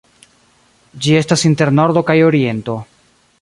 Ĝi estas inter Nordo kaj Oriento.